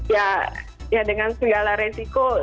ya ya dengan segala risiko